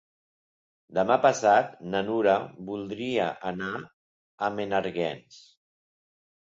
Demà passat na Nura voldria anar a Menàrguens.